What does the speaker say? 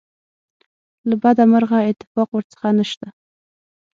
له بده مرغه اتفاق ورڅخه نشته.